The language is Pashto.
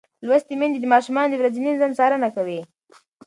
لوستې میندې د ماشومانو د ورځني نظم څارنه کوي.